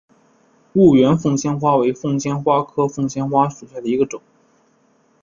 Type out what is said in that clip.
婺源凤仙花为凤仙花科凤仙花属下的一个种。